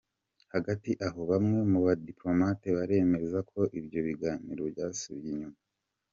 Hagati aho bamwe mu badipolomati baremeza ko ibyo biganiro byasubiye inyuma.